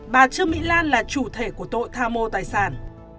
bà trương mỹ lan là chủ thể của tội tham mô tài sản